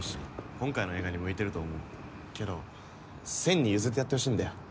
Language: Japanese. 今回の映画に向いてると思うけどセンに譲ってやってほしいんだよ